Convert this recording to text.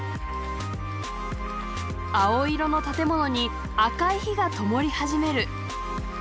青色の建物に赤い灯がともり始める。